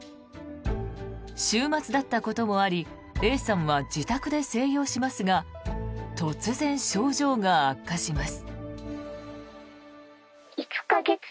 週末だったこともありＡさんは自宅で静養しますが突然、症状が悪化します。